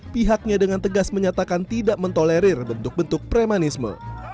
pihaknya dengan tegas menyatakan tidak mentolerir bentuk bentuk premanisme